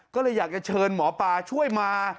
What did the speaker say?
ก็เลยอยากจะเชิญหมอปลาช่วยมา